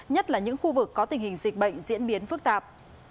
nhất là những khu vực có tình hình dịch bệnh diễn biến phức tạp